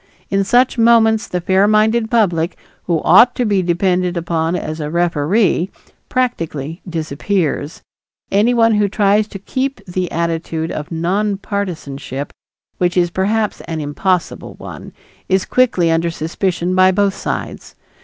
In such moments the fair minded public, who ought to be depended upon as a referee, practically disappears. Anyone who tries to keep the attitude of nonpartisanship, which is perhaps an impossible one, is quickly under suspicion by both sides.